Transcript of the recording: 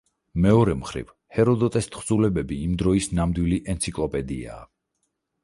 მეორე მხრივ, ჰეროდოტეს თხზულებები იმ დროის ნამდვილი ენციკლოპედიაა.